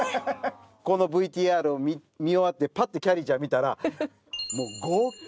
このＶＴＲを見終わってぱってきゃりーちゃん見たらもう号泣。